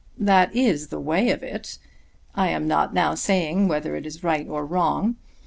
"That is the way of it. I am not now saying whether it is right or wrong.